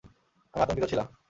আমি আতঙ্কিত ছিলাম।